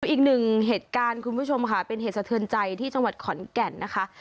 อีกหนึ่งเหตุการณ์คุณผู้ชมค่ะเป็นเหตุสะเทือนใจที่จังหวัดขอนแก่นนะคะ